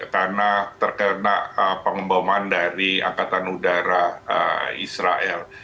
karena terkena pengembangan dari angkatan udara israel